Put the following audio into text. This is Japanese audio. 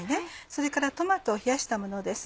それからトマトを冷やしたものです。